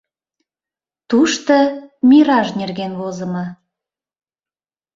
Тушто мираж нерген возымо.